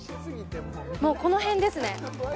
もうこの辺ですね